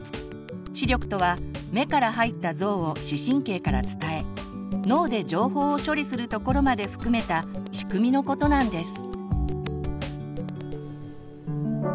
「視力」とは目から入った像を視神経から伝え脳で情報を処理するところまで含めた仕組みのことなんです。